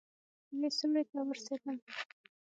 يوې سوړې ته ورسېدم.